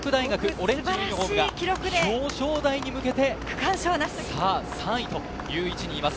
オレンジのユニホームで表彰台に向けて３位という位置にいます。